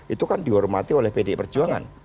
itu kan dihormati oleh pdi perjuangan